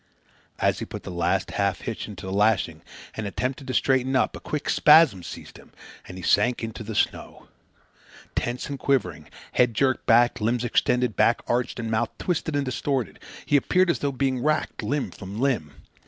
And as he put the last half hitch into the lashing and attempted to straighten up, a quick spasm seized him and he sank into the snow. Tense and quivering, head jerked back, limbs extended, back arched and mouth twisted and distorted, he appeared as though being racked limb from limb.